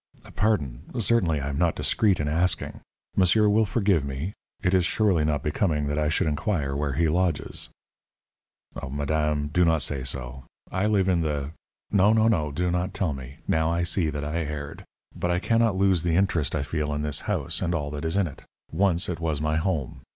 "Pardon. Certainly I am not discreet in asking. Monsieur will forgive me? It is surely not becoming that I should inquire where he lodges." "Madame, do not say so. I live in the " "No, no, no; do not tell me. Now I see that I erred. But I cannot lose the interest I feel in this house and all that is in it. Once it was my home.